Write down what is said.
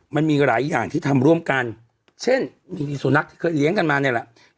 มันมีหลายอย่างที่ทำร่วมกันเช่นมีสุนัขที่เคยเลี้ยงกันมาเนี่ยแหละ